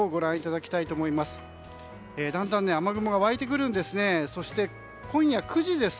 だんだん雨雲が湧いてくるんです。